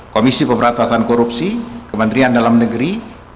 komisi pemberantasan korupsi kementerian dalam negeri